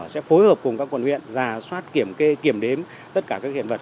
sẽ phối hợp cùng các quận huyện giả soát kiểm kê kiểm đếm tất cả các hiện vật